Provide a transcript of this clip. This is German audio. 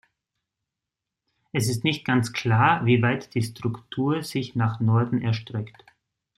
Es ist nicht ganz klar, wie weit die Struktur sich nach Norden erstreckt.